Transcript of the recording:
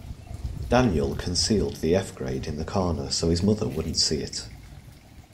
Daniel concealed the F grade in the corner so his mother wouldn't see it.